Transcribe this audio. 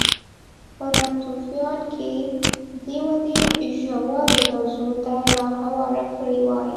په ناتوفیان کې دې ودې ژورو درزونو ته لار هواره کړې وای